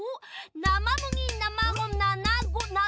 なまむぎなまごななご。